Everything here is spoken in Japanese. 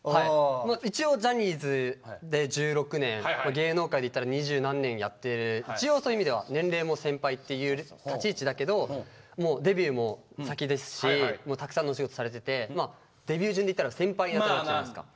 芸能界でいったら二十何年やってる一応そういう意味では年齢も先輩っていう立ち位置だけどもうデビューも先ですしたくさんのお仕事されててデビュー順でいったら先輩に当たるわけじゃないですか。